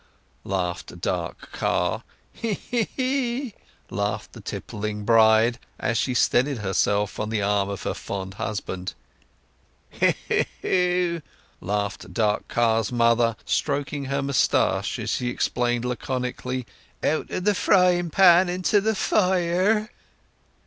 laughed dark Car. "Hee hee hee!" laughed the tippling bride, as she steadied herself on the arm of her fond husband. "Heu heu heu!" laughed dark Car's mother, stroking her moustache as she explained laconically: "Out of the frying pan into the fire!"